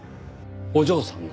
お嬢さんが？